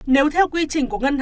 nếu theo quy trình của ngân hàng